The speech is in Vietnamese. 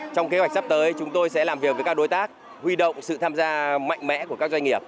trong kế hoạch sắp tới chúng tôi sẽ làm việc với các đối tác huy động sự tham gia mạnh mẽ của các doanh nghiệp